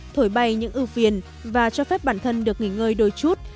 thổi bay những ưu phiền và cho phép bản thân được nghỉ ngơi đôi chút